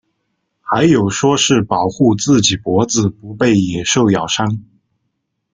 还有说是保护自己脖子不被野兽咬伤。